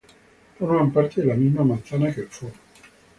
Forman parte de la misma manzana que el Foro.